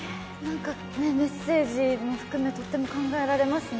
メッセージも含め、とっても考えさせられますね。